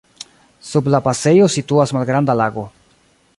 Sub la pasejo situas malgranda lago.